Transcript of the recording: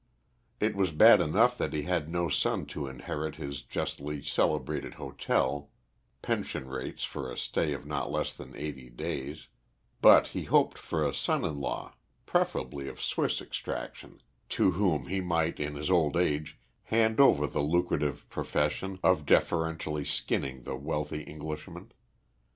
It was bad enough that he had no son to inherit his justly celebrated hotel (pension rates for a stay of not less than eight days), but he hoped for a son in law, preferably of Swiss extraction, to whom he might, in his old age, hand over the lucrative profession of deferentially skinning the wealthy Englishman.